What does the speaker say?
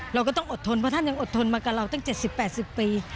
เราก็ต้องอดทนเพราะท่านยังอดทนมากับเราตั้งเจ็ดสิบแปดสิบปี